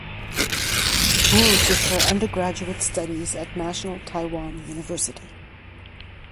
Wu did her undergraduate studies at National Taiwan University.